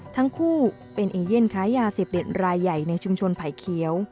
ทั้งคู่เป็นเอเย่นค้ายาเสพติดรายใหญ่ในชุมชนไผ่เขียว